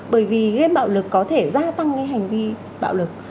bởi vì game bạo lực có thể gia tăng cái hành vi bạo lực